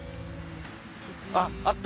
あっあった。